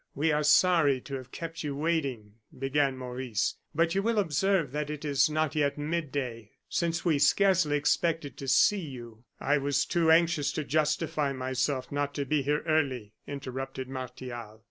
"We are sorry to have kept you waiting," began Maurice, "but you will observe that it is not yet midday. Since we scarcely expected to see you " "I was too anxious to justify myself not to be here early," interrupted Martial.